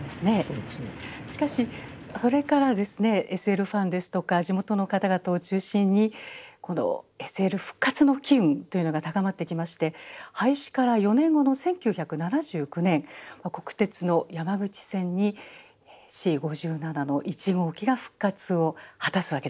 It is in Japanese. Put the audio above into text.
しかしそれからＳＬファンですとか地元の方々を中心にこのＳＬ復活の機運というのが高まってきまして廃止から４年後の１９７９年国鉄の山口線にＣ５７の１号機が復活を果たすわけですね。